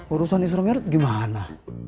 urusan isram yarat gimana